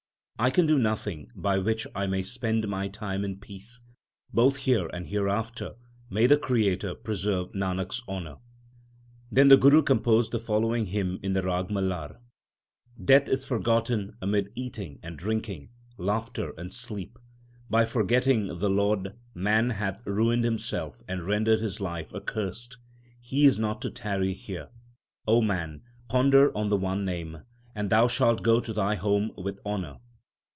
I can do nothing by which I may spend my time in peace. Both here and hereafter may the Creator preserve Nanak s honour ! Then the Guru composed the following hymn in the Rag Malar : 1 Sri Rag. 2 That is, I have become a faqlr and dishonoured my family. LIFE OF GURU NANAK 81 Death is forgotten amid eating and drinking, laughter and sleep. By forgetting the Lord man hath ruined himself and ren dered his life accursed ; he is not to tarry here. O man, ponder on the one Name, And thou shalt go to thy home with honour.